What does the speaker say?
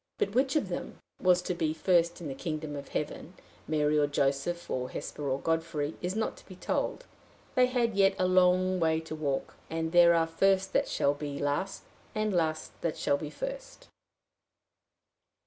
But which of them was to be first in the kingdom of heaven, Mary or Joseph or Hesper or Godfrey, is not to be told: they had yet a long way to walk, and there are first that shall be last, and last that shall be first.